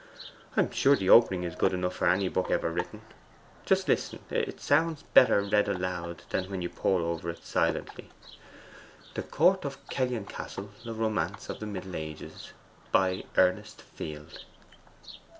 I'm sure the opening is good enough for any book ever written. Just listen it sounds better read aloud than when you pore over it silently: "THE COURT OF KELLYON CASTLE. A ROMANCE OF THE MIDDLE AGES. BY ERNEST FIELD.